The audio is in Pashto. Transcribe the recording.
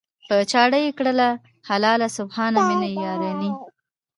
"په چاړه یې کړه حلاله سبحان من یرانی".